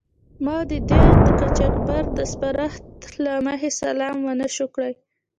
ما او دې د قاچاقبر د سپارښت له مخې سلام و نه شو کړای.